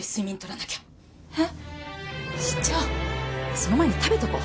その前に食べとこう！